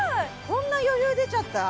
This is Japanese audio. こんな余裕出ちゃった？